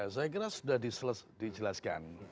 saya kira sudah dijelaskan